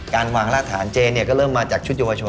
การวางรากฐานเจก็เริ่มมาจากชุดเยาวชน